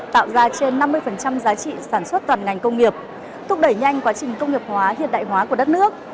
tạo ra trên năm mươi giá trị sản xuất toàn ngành công nghiệp thúc đẩy nhanh quá trình công nghiệp hóa hiện đại hóa của đất nước